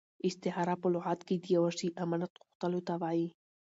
استعاره په لغت کښي د یوه شي امانت غوښتلو ته وايي.